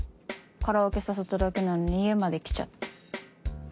カラオケ誘っただけなのに家まで来ちゃって。